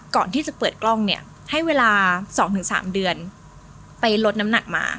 ก่อนที่จะเปิดกล้องเนี่ยให้เวลา๒๓เดือนไปลดน้ำหนักมา